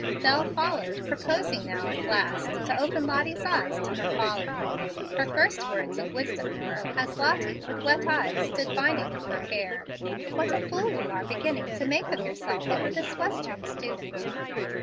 Bel followed, proposing now, at last, to open Lottie's eyes to her folly. Her first words of wisdom were, as Lottie, with wet eyes, stood binding up her hair, "What a fool you are beginning to make of yourself over this Western student!"